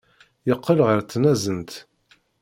Yeqqel ɣer tnazent.